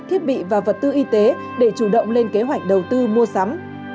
thiết bị và vật tư y tế để chủ động lên kế hoạch đầu tư mua sắm